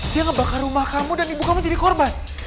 dia ngebakar rumah kamu dan ibu kamu jadi korban